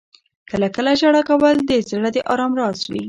• کله کله ژړا کول د زړه د آرام راز وي.